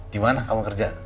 dimana kamu kerja